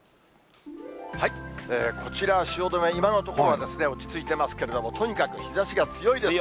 こちら汐留、今のところは落ち着いてますけれども、とにかく日ざしが強いです。